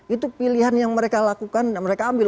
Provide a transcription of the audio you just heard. itu pilihan yang mereka lakukan dan mereka ambil